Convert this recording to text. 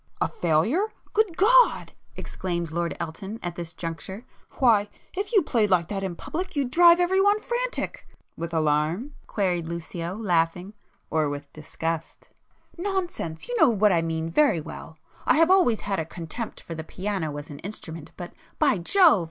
"A failure? Good God!" exclaimed Lord Elton at this juncture—"Why, if you played like that in public, you'd drive everyone frantic!" "With alarm?" queried Lucio, laughing—"Or with disgust?" "Nonsense! you know what I mean very well. I have always had a contempt for the piano as an instrument, but by Jove!